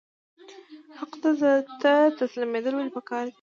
حق ته تسلیمیدل ولې پکار دي؟